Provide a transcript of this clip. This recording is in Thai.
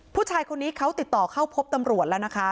ผู้ชายคนนี้เขาติดต่อเข้าพบตำรวจแล้วนะคะ